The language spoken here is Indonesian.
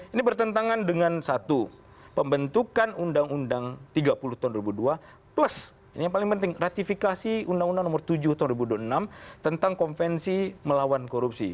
ini bertentangan dengan satu pembentukan undang undang tiga puluh tahun dua ribu dua plus ratifikasi undang undang nomor tujuh tahun dua ribu enam tentang konvensi melawan korupsi